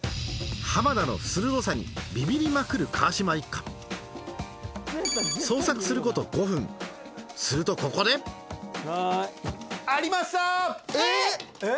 浜田の鋭さにビビりまくる川島一家捜索する事５分するとここでえっ！